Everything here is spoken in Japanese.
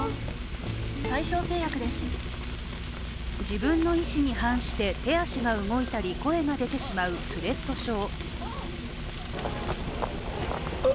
自分の意思に反して手足が動いたり声が出てしまうトゥレット症。